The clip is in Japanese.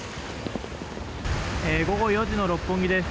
午後４時の六本木です。